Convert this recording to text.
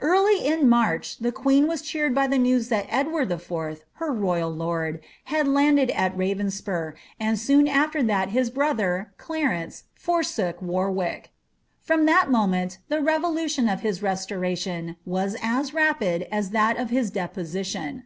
Early in March the queen was cheen •The Sprott F»— —■ LIlASaTH WOODTILLS. har royal lord, had landed at Rarenapar, and soon after that his broCher^ Clarence, forsook Warwick. From that moment the rerolution of hia restoration waa as rapid as that of his depomtion.